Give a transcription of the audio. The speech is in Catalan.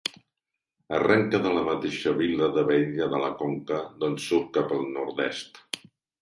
Arrenca de la mateixa vila d'Abella de la Conca, d'on surt cap al nord-est.